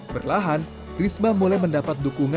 berlahan risma mulai mendapat dukungan juga